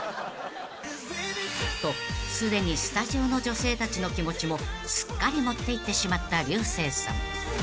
［とすでにスタジオの女性たちの気持ちもすっかり持っていってしまった竜星さん］